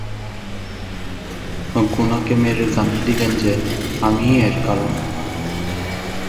গুনাকে মেরে জানিয়ে দিলেন যে আমিই এর কারণ।